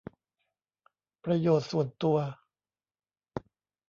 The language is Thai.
ประโยชน์ส่วนตัว